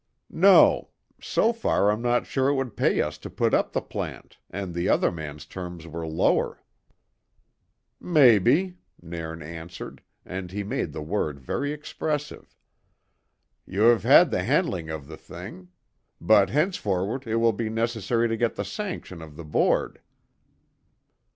"No. So far, I'm not sure it would pay us to put up the plant, and the other man's terms were lower." "Maybe," Nairn answered, and he made the word very expressive. "Ye have had the handling of the thing; but henceforward it will be necessary to get the sanction of the board.